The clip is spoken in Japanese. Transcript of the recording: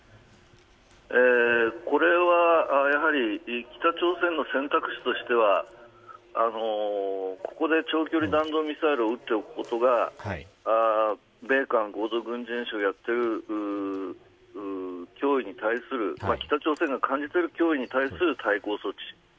これは、やはり北朝鮮の選択肢としてはここで長距離弾道ミサイルを撃っておくことが米韓合同軍事演習をやっている脅威に対する北朝鮮が感じている脅威に対する対抗措置。